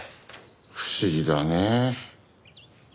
不思議だねえ。